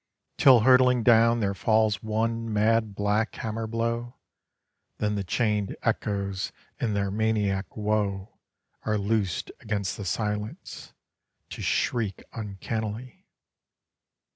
Till hurtling down there falls one mad black hammer blow: Then the chained echoes in their maniac woe Are loosed against the silence, to shriek uncannily.